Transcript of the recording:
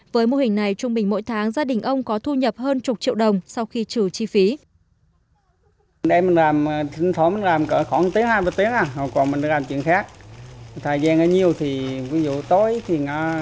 với mô hình này trung bình mỗi tháng gia đình ông có thu nhập hơn chục triệu đồng sau khi trừ chi phí